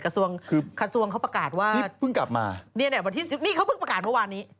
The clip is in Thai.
คัตรส่วงเขาประกาศว่านี่เขาเพิ่งประกาศเมื่อวานนี้